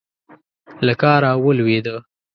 له کاره ولوېده.